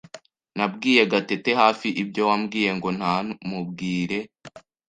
Nabwiye Gatete hafi ibyo wambwiye ngo ntamubwire.